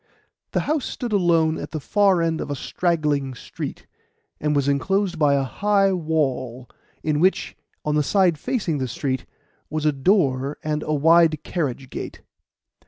The house stood alone at the far end of a straggling street, and was enclosed by a high wall, in which, on the side facing the street, was a door and a wide carriage gate.